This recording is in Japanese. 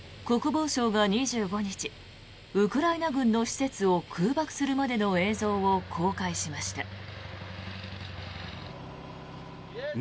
国防省が２５日ウクライナ軍の施設を空爆するまでの映像を公開しました。